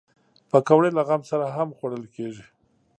پکورې له غم سره هم خوړل کېږي